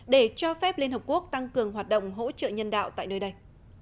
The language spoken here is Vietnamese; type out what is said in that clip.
để cho phép liên hợp quốc tăng cường hoạt động hỗ trợ nhân đạo tại nơi đây